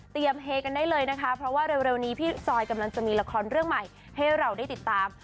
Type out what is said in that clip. เฮกันได้เลยนะคะเพราะว่าเร็วนี้พี่จอยกำลังจะมีละครเรื่องใหม่ให้เราได้ติดตาม